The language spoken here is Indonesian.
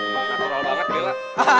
natural banget bila